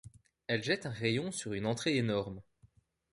Elle jette un rayon sur une entrée énorme